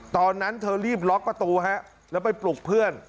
ตอนนั้นเธอรีบล็อกประตูฮะแล้วไปปลุกเพื่อน